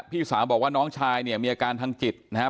พี่สาวบอกว่าน้องชายเนี่ยมีอาการทางจิตนะครับ